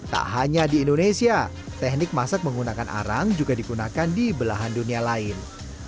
tak hanya di indonesia teknik masak menggunakan arang juga digunakan di belahan dunia lain